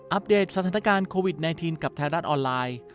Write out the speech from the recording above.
เดตสถานการณ์โควิด๑๙กับไทยรัฐออนไลน์